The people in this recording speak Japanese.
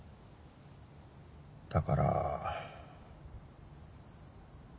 だから。